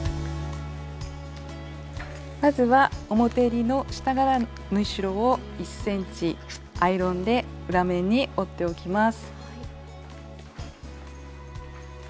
まずは表えりの下側の縫い代を１ｃｍアイロンで裏面に折っておきます。